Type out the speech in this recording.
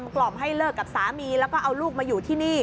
กล่อมให้เลิกกับสามีแล้วก็เอาลูกมาอยู่ที่นี่